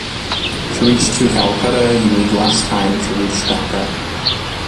To reach to Calcutta you need less time to reach Dhaka.